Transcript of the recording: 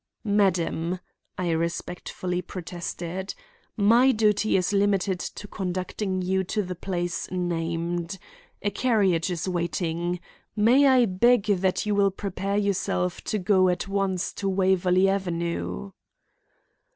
"Madam," I respectfully protested, "my duty is limited to conducting you to the place named. A carriage is waiting. May I beg that you will prepare yourself to go at once to Waverley Avenue?"